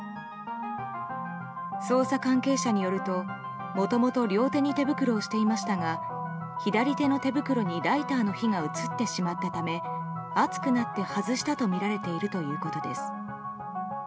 捜査関係者によると、もともと両手に手袋をしていましたが左手の手袋にライターの火が移ってしまったため熱くなって外したとみられているということです。